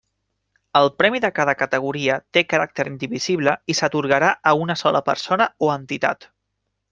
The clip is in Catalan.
El premi de cada categoria té caràcter indivisible i s'atorgarà a una sola persona o entitat.